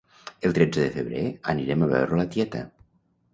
El tretze de febrer anirem a veure la tieta